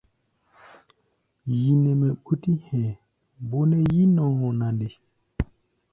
Yi nɛ mɛ ɓútí hɛ̧ɛ̧, bó nɛ́ yí-nɔɔ na nde?